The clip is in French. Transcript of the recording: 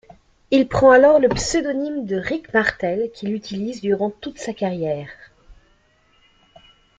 Il prend alors le pseudonyme de Rick Martel qu'il utilise durant toute sa carrière.